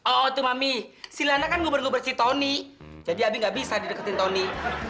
oh tuh mami si lana kan mau berluber si tony jadi abi gak bisa dideketin tony